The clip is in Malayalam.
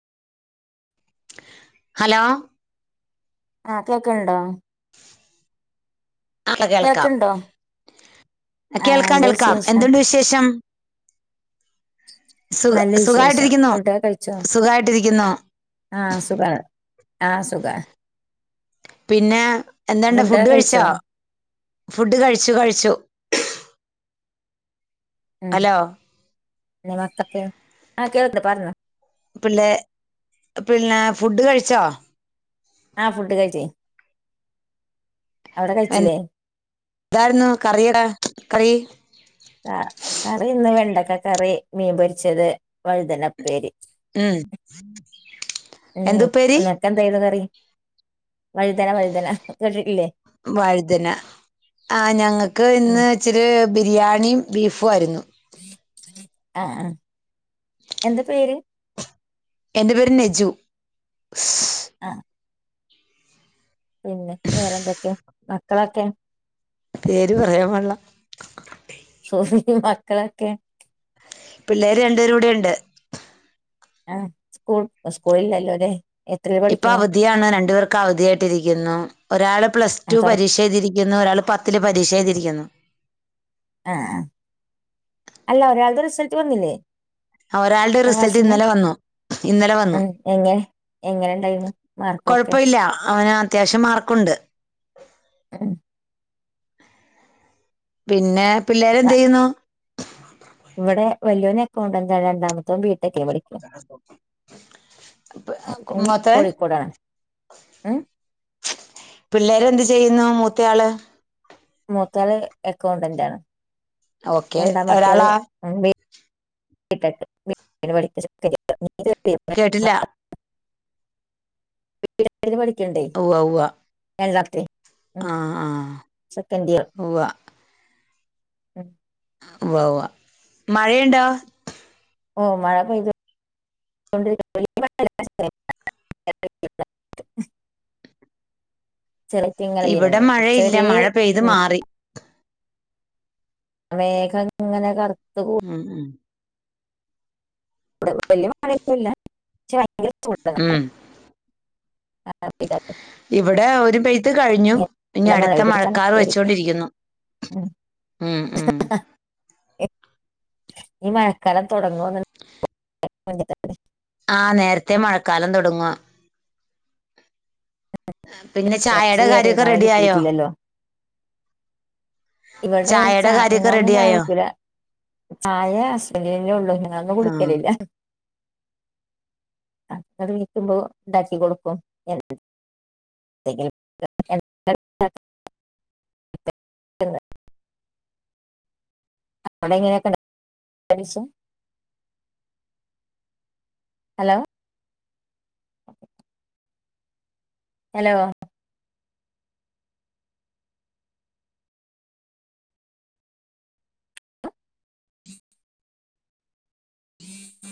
ഹലോ ആഹ് കേൾക്കണ്ടോ അതെ കേൾക്കാം. കേൾക്കണ്ടോ ആഹ് കേൾക്കാം എന്താ കേൾക്കാം വിശേഷം എന്തുണ്ട് വിശേഷം സുഖ നല്ല വിശേഷം സുഖായിട്ടിരിക്കുന്നു. ഫുഡൊക്കെ കഴിച്ചോ സുഖായിട്ടിരിക്കുന്നു. ആഹ് സുഖാണ് ആഹ് സുഖാ. പിന്നെ എന്താണ്ട് ഫുഡ് കഴിച്ചോ ഫുഡ് കഴിച്ചു കഴിച്ചു. ഉം ഹലോ നിനാക്കത്തെ ആഹ് കേൾക്കുണ്ട് പറഞ്ഞോ പിള്ളേ പിളള ഫുഡ് കഴിച്ചോ ആഹ് ഫുഡ് കഴിച്ച് അവെടെ കഴിച്ചില്ലേ ഇതാരുന്നു കറിടെ കറി കറി ഇന്ന് വെണ്ടക്ക കറി മീൻ പൊരിച്ചത് വഴുതനയുപ്പേരി. ഉം എന്തുപ്പേരി എന്തായുള്ളോ കറി വഴുതന വഴുതന കേട്ടിട്ടില്ലേ വഴുതന ആഹ് ഞങ്ങെക്ക് ഉം ഇന്ന്. ഇച്ചിരി ബിരിയാണിയും ബീഫുവായിരുന്നു. ആഹ് ആഹ് എന്താ പേര് എന്റെ പേര് നെജു. ആഹ് പിന്നെ വേറെന്തെക്കെയാ മക്കളൊക്കെ പേര് പറയാൻ പാടെളാ. ശോ മക്കളൊക്കെ. പിള്ളാര് രണ്ടുപേരും ഇവെടൊണ്ട്. ആഹ് സ്കൂ സ്കൂളിലല്ലതേ. ഇപ്പ അവധിയാണ് രണ്ടു പേർക്ക് അവധിയായിട്ടിരിക്കുന്നു ഒരാള് പ്ലസ് ആ ടു തൊറ പരീക്ഷയെഴുതിരിക്കുന്നു. ഇന്ന് ഒരാള് പത്തില് പരീക്ഷയെഴുതിരിക്കുന്നു. ആഹ് ആഹ് അല്ല ഒരാൾടെ റിസൽറ്റ് വന്നില്ലേ ഒരാൾടെ പത്താം റിസൽറ്റ് ക്ലാസ്സിന്റെ ഇന്നലെ വന്നു. ഇന്നലെ വന്നു ഉം എങ്ങനെ എങ്ങനെ ഇണ്ടായിരുന്നു മാർക്കൊക്കെ കൊഴപ്പമില്ല അവന ത്യാവശ്യം മാർക്കുണ്ട്. [unintelligible] പിന്നെ പിള്ളേരെന്ത് ചെയ്യുന്നു ഇവെടെ വെല്യയോനേക്കൊണ്ട് എന്താ രണ്ടാമത്തെത്തിയേ. [unintelligible] അപ്പ് ക്ക് അവൻ മൊത്തെൻ കോഴിക്കോടാണ് ഉം പിള്ളേരെന്ത് ചെയ്യുന്നു മൂത്തയാള്? മുത്താള് എക്കൗണ്ടെന്റാണ്. ഓക്കെ. ഒരാളോ? ബി ടെക് കേട്ടില്ല [unintelligible] [unintelligible] പടികണ്ടേ ഉവ്വ ഉവ്വ അല്ലാത്തേ ഉം ആ ആ സെക്കൻഡിയർ. ഉവ്വ ഉവ്വവാ. മഴയൊണ്ടാേ? ഓ മഴ പെയ്ത് [unintelligible] ചെളി ഇവിടെ മഴയില്ല മഴ പെയ്ത് മാറി. മേഘം ഇങ്ങനെ കറുത്ത്. ഉം ഉം. ഇവിടെ വലിയ മഴയൊന്നും ഇല്ല [unintelligible] ഭയങ്കര ചൂടാ. ഉം [inaudible] ഇവിടെ ഒരു പെ. യ്ത് കഴിഞ്ഞു ഇനി നല്ല മഴ അടുത്ത പെയ്തിട്ട് മഴക്കാറ് തണുക്കുമായിരിക്കും വെച്ചോണ്ടിരിക്കുന്നു ഉം. ഉം ഉം. [unintelligible] ഈ മഴക്കാലം തുടങ്ങു. [inaudible] ആ നേരത്തെ മഴക്കാലം തൊടങ്ങുവാ. പിന്നെ പക്ഷെ ചായേടെ വേനൽ കാര്യവോക്കെ മഴ റെഡി ആയോ? കിട്ടിയിട്ടില്ലല്ലോ ഇവിടെ [unintelligible] ചായയുടെ കാര്യമൊക്കെ ചായ റെഡിയായോ കുടിക്കൂല. ചായ ഹസ്ബന്റിനെ ഉള്ളൂ ഞങ്ങൾ ഒന്നും ആ കുടിക്കൽ ഇല്ല. [inaudible] ഉണ്ടാക്കി കൊടുക്കും എന്തെങ്കിലും. ഉണ്ടാക്കുന്നത്. [inaudible] അവിടെ എങ്ങനാ [unintelligible] ഹലോ. ഹലോ. [unintelligible]